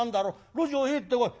路地を入ってこい。